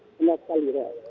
benar sekali rehat